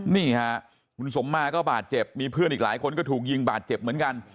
นี่ค่ะคุณสมมาก็บาดเจ็บมีเพื่อนอีกหลายคนก็ถูกยิงบาดเจ็บเหมือนกัน